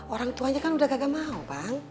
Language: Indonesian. orang tuanya kan udah kagak mau bang